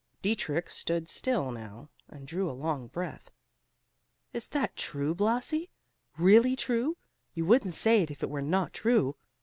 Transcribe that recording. Dietrich stood still now, and drew a long breath. "Is that true, Blasi, really true? You wouldn't say it if it were not true?